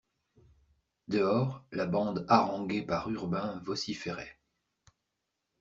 Dehors, la bande haranguée par Urbain vociférait.